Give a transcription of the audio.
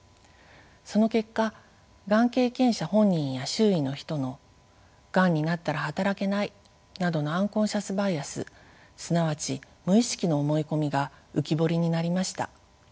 その結果がん経験者本人や周囲の人のがんになったら働けないなどのアンコンシャスバイアスすなわち無意識の思い込みが浮き彫りになりました。